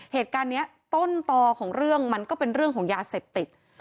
เหตุการณ์นี้ต้นต่อของเรื่องมันก็เป็นเรื่องของยาเสพติด